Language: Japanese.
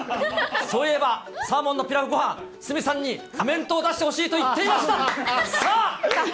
そういえば、サーモンのピラフごはん、鷲見さんにコメントを出してほしいと言っていましたが、さあ！